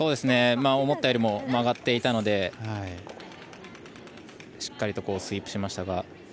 思ったよりも曲がっていたのでしっかりとスイープしましたが。